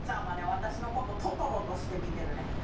私の事トトロとして見てるね。